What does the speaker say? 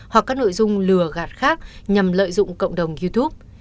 hoặc các nội dung lừa gạt khác nhằm lợi dụng cộng đồng youtube